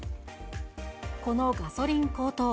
このガソリン高騰。